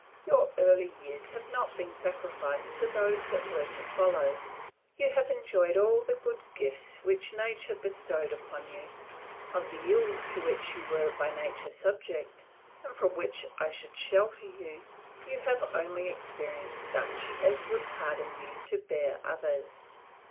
Your early years have not been sacrificed to those that were to follow, you have enjoyed all the good gifts which nature bestowed upon you. Of the ills to which you were by nature subject, and from which I could shelter you, you have only experienced such as would harden you to bear others.